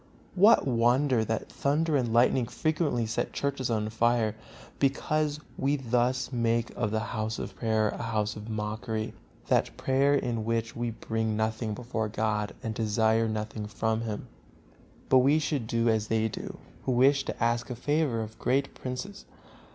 What wonder that thunder and lightning frequently set churches on fire, because we thus make of the House of Prayer a house of mockery, and call that prayer in which we bring nothing before God and desire nothing from Him. But we should do as they do who wish to ask a favor of great princes.